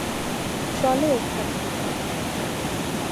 চলে এখান থেকে!